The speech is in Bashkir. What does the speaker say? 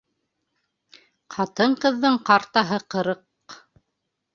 Ҡатын-ҡыҙҙың ҡартаһы ҡырҡ.